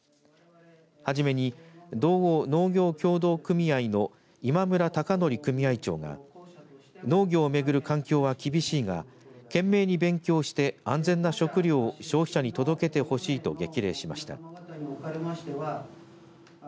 初めに道央農業協同組合の今村隆徳組合長が農業を巡る環境は厳しいが懸命に勉強して安全な食料を消費者に届けてほしいと激励しました。